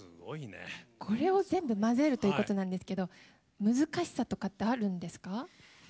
これを全部混ぜるということなんですけど難しさとかってあるんですか？